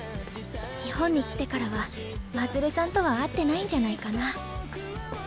日本に来てからは真鶴さんとは会ってないんじゃないかな。